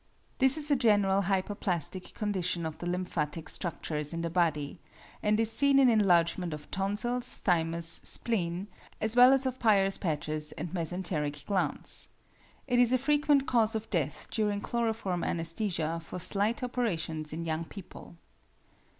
_ This is a general hyperplastic condition of the lymphatic structures in the body, and is seen in enlargement of tonsils, thymus, spleen, as well as of Peyer's patches and mesenteric glands. It is a frequent cause of death during chloroform anæsthesia for slight operations in young people.